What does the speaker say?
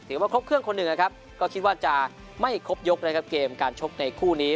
ว่าครบเครื่องคนหนึ่งนะครับก็คิดว่าจะไม่ครบยกนะครับเกมการชกในคู่นี้